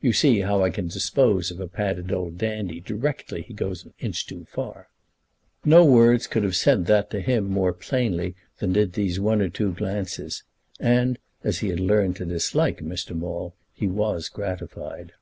"You see how I can dispose of a padded old dandy directly he goes an inch too far." No words could have said that to him more plainly than did these one or two glances; and, as he had learned to dislike Mr. Maule, he was gratified.